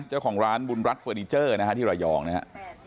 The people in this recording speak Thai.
เจ้าของร้านบุญรัฐเฟอร์นิเจอร์นะฮะที่ระยองนะฮะ